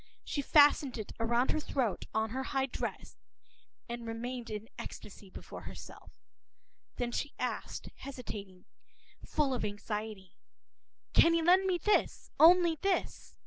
She fastened it round her throat, on her high dress, and remained in ecstasy before herself. Then, she asked, hesitating, full of anxiety:—“Can you lend me this, only this?